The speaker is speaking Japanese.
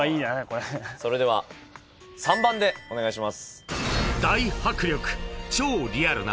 それでは３番でお願いします。